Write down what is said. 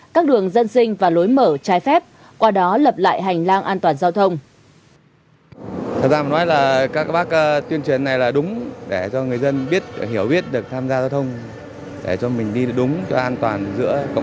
các đường dân sinh và lối mở trái phép qua đó lập lại hành lang an toàn giao thông